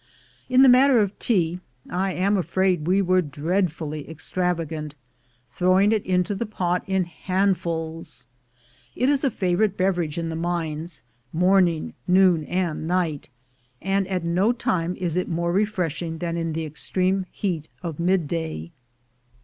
In the matter of tea I am afraid we were dreadfully extravagant, throwing it into the pot in handfuls. It is a favorite beverage in the mines — morning, noon, and night — and at no time is it more refreshing than in the extreme heat of midday.